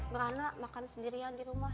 beranak makan sendirian di rumah